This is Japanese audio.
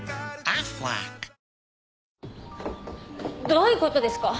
どういうことですか？